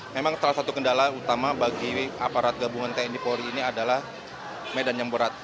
memang salah satu kendala utama bagi aparat gabungan tni polri ini adalah medan yang berat